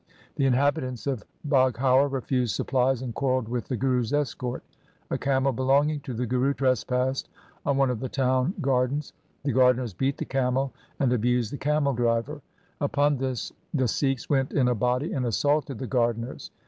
The inhabitants of Baghaur refused supplies and quarrelled with the Guru's escort. A camel belonging to the Guru trespassed on one of the town gardens. The gar deners beat the camel and abused the camel driver. Upon this the Sikhs went in a body and assaulted the gardeners.